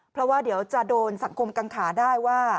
เพราะว่าเดี๋ยวจะโดนสังคมกังขาได้ว่า